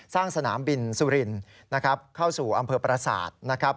สร้างสนามบินสุรินทร์เข้าสู่อำเภอประศาสตร์นะครับ